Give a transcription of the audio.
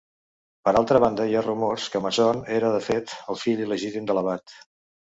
Per altra banda, hi ha rumors que Mason era, de fet, el fill il·legítim de l'abat.